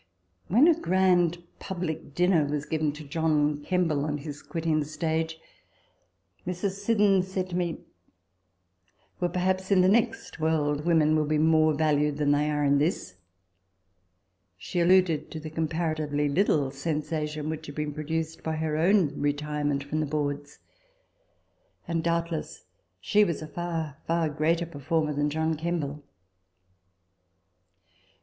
When a grand public dinner was given to John Kemble on his quitting the stage, Mrs. Siddons said to me, " Well, perhaps in the next world women will be more valued than they are in this." She alluded to the comparatively little sensation which had been produced by her own retirement from the boards : and doubtless she was a far, far greater performer than John Kemble.